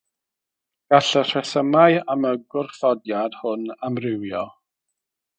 Gall y rhesymau am y gwrthodiad hwn amrywio.